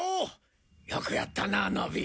よくやったな野比